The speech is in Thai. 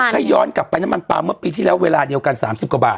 ถ้าย้อนกลับไปน้ำมันปลาเมื่อปีที่แล้วเวลาเดียวกัน๓๐กว่าบาท